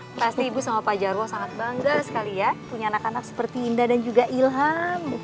pasti ibu sama pak jarwo sangat bangga sekali ya punya anak anak seperti indah dan juga ilham